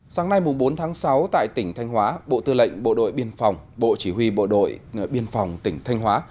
sáng nay bốn tháng sáu tại tỉnh thanh hóa bộ tư lệnh bộ đội biên phòng bộ chỉ huy bộ đội biên phòng tỉnh thanh hóa